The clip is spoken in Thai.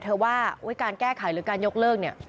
ว่าการแก้ไขหรือการยกเลิกเนี่ย